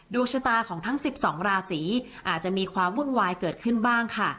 ดวงชะตาของทั้ง๑๒ราศีอาจจะมีความวุ่นวายเกิดขึ้นบ้างค่ะ